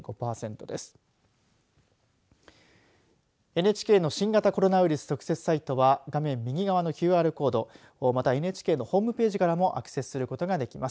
ＮＨＫの新型コロナウイルス特設サイトは画面右側のＱＲコードまたはＮＨＫのホームページからもアクセスすることができます。